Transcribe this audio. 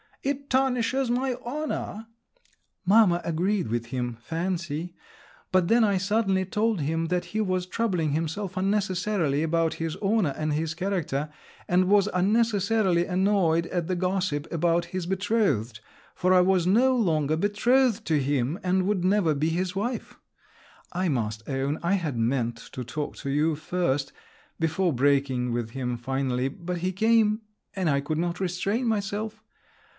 It tarnishes my honour!" Mamma agreed with him—fancy!—but then I suddenly told him that he was troubling himself unnecessarily about his honour and his character, and was unnecessarily annoyed at the gossip about his betrothed, for I was no longer betrothed to him and would never be his wife! I must own, I had meant to talk to you first … before breaking with him finally; but he came … and I could not restrain myself.